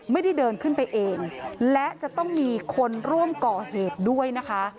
ไม่ได้เดินขึ้นไปเองและจะต้องมีคนร่วมก่อเหตุด้วยนะคะ